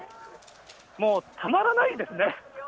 もうたまらないですね。